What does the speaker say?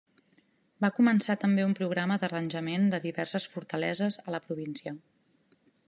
Va començar també un programa d'arranjament de diverses fortaleses a la província.